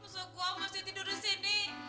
musuh gua masih tidur disini